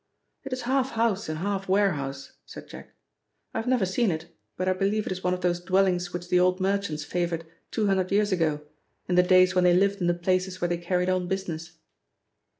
"It is half house and half warehouse," said Jack. "I have never seen it, but I believe it is one of those dwellings which the old merchants favoured two hundred years ago, in the days when they lived in the places where they carried on business."